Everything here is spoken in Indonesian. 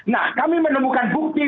nah kami menemukan bukti